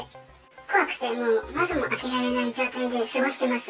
怖くてもう、窓も開けられない状態で過ごしてます。